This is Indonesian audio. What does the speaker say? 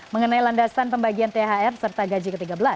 mengenai landasan pembagian thr serta gaji ke tiga belas